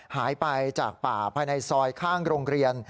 หายไปจากป่าภายในซอยข้างโรงเรียน